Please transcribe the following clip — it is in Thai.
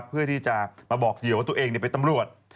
เพื่อที่จะมาบอกเหยื่อว่าตัวเองเป็นตำรวจ